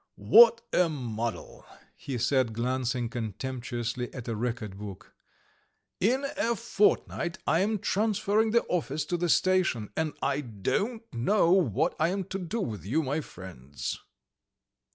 "What a muddle!" he said, glancing contemptuously at a record book. "In a fortnight I am transferring the office to the station, and I don't know what I am to do with you, my friends."